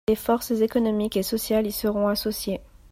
Les forces économiques et sociales y seront associées.